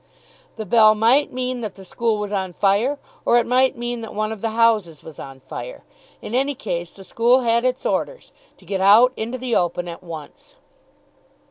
The bell might mean that the school was on fire, or it might mean that one of the houses was on fire. In any case, the school had its orders to get out into the open at once.